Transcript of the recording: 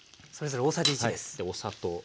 お砂糖。